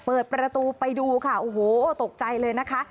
เปิดประตูไปดูค่ะโอ้โหตกใจเลยนะคะ